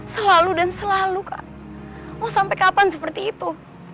selalu dan selalu kak mau sampai kapan seperti itu